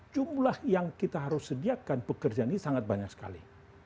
jumlah yang kita harus sediakan pekerjaan ini sangat banyak sekali